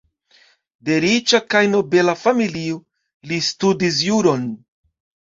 De riĉa kaj nobela familio, li studis juron.